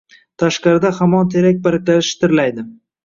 Tashqarida hamon terak barglari shitirlaydi.